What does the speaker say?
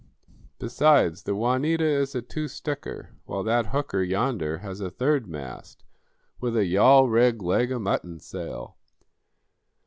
Besides, the 'Juanita' is a two sticker, while that hooker yonder has a third mast with a yawl rig leg o' mutton sail."